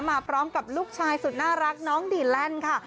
มาพร้อมกับลูกชายสุดน่ารักน้องดีแลนด์ค่ะ